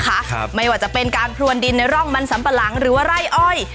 ครับไม่ว่าจะเป็นการพรวนดินในร่องมันสัมปะหลังหรือว่าไร่อ้อย